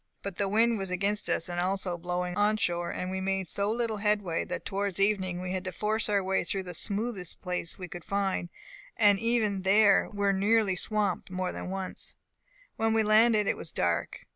But the wind was against us, and also blowing on shore; and we made so little headway, that towards evening we had to force our way through the smoothest place we could find, and even then were nearly swamped more than once. When we landed it was dark.